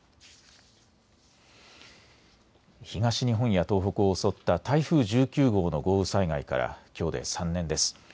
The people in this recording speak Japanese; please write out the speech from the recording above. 東日本や東北を襲った台風１９号の豪雨災害からきょうで３年です。